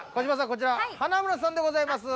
こちらハナムラさんでございます。